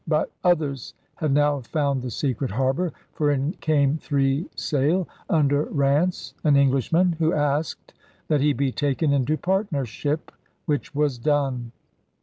But others had now found the secret harbor; for in came three sail under Ranse, an Englishman, who asked that he be taken into partnership, which was done.